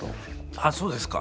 あっそうですか？